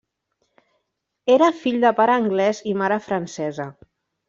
Era fill de pare anglès i mare francesa.